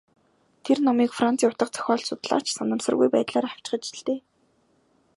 Тэр номыг Францын утга зохиол судлаач санамсаргүй байдлаар авчхаж л дээ.